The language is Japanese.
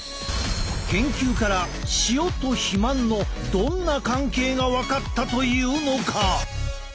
研究から塩と肥満のどんな関係が分かったというのか？